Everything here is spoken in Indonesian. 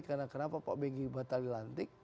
karena kenapa pak bg batal dilantik